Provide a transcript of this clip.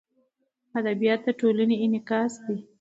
ادبیات د ټولنې انعکاس دی.